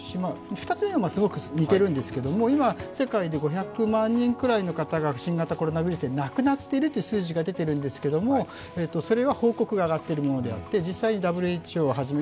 ２つ目はすごく似ているんですけれども、今世界で５００万人くらいの方が新型コロナウイルスで亡くなっているという数字が出ているんですけど、それは報告が上がっているものであって実際にＷＨＯ初め